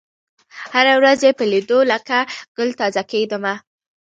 هره ورځ یې په لېدلو لکه ګل تازه کېدمه